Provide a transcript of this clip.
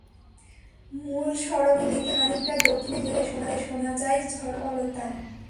মূল সড়ক থেকে নেমে খানিকটা দক্ষিণে গেলেই শোনা যায় ঝরনা কলতান।